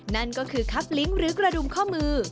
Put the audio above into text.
นั่นก็คือคับลิงก์หรือกระดุมข้อมือ